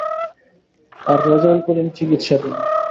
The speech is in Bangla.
আর রেজাউল করিম চিকিৎসাধীন।